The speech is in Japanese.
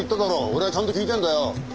俺はちゃんと聞いてるんだよ。